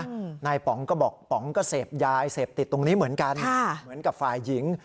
อืมนายป๋องก็บอกป๋องก็เสพยายเสพติดตรงนี้เหมือนกันค่ะเหมือนกับฝ่ายหญิง